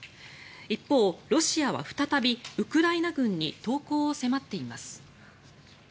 一方、ロシアは再びウクライナ軍に投降を迫っています。